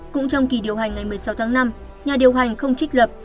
cũng trong kỳ điều hành ngày một mươi sáu tháng năm nhà điều hành không trích lập